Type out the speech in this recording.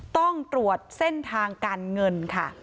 ต้องตรวจเส้นทางการเงินค่ะ